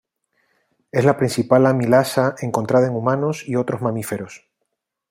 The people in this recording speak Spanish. Es la principal amilasa encontrada en humanos y otros mamíferos.